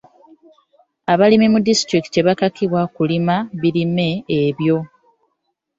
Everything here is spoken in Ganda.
Abalimi mu disitulikiti tebakakibwa kulima birime ebyo.